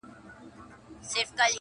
عمرونه وسول په تیارو کي دي رواني جرګې٫